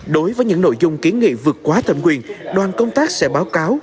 đối với những nội dung kiến nghị vượt quá thẩm quyền đoàn công tác sẽ báo cáo